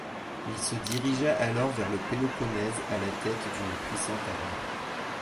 Il se dirigea alors vers le Péloponnèse à la tête d'une puissante armée.